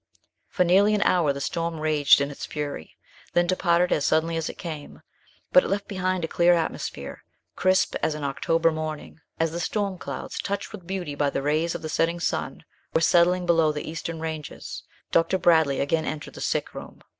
For nearly an hour the storm raged in its fury, then departed as suddenly as it came; but it left behind a clear atmosphere, crisp as an October morning. As the storm clouds, touched with beauty by the rays of the setting sun, were settling below the eastern ranges, Dr. Bradley again entered the sick room.